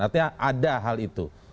artinya ada hal itu